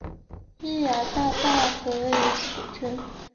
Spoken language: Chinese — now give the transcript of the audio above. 耶涯大坝则位在此镇。